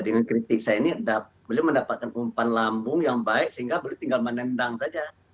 dengan kritik saya ini beliau mendapatkan umpan lambung yang baik sehingga beliau tinggal menendang saja